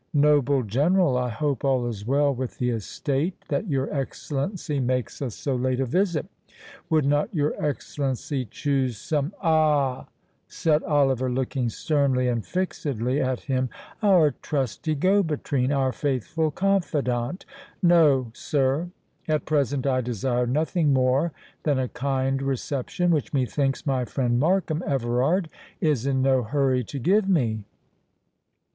Noble General, I hope all is well with the Estate, that your Excellency makes us so late a visit? Would not your Excellency choose some"— "Ah!" said Oliver, looking sternly and fixedly at him—"Our trusty Go between—our faithful confidant.—No, sir; at present I desire nothing more than a kind reception, which, methinks, my friend Markham Everard is in no hurry to give me."